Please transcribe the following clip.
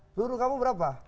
peluru kamu berapa